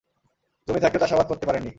জমি থাকতেও চাষাবাদ করতে পারেননি।